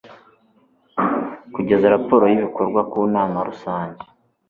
kugeza raporo y'ibikorwa ku nama rusange